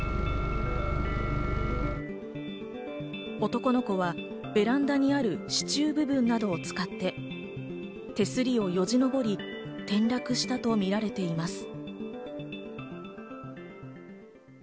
男の子はベランダにある支柱部分などを使って手すりをよじ登り、転落したとみられています。